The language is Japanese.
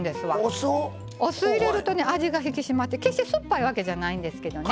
お酢入れるとね味が引き締まって決して酸っぱいわけじゃないんですけどね。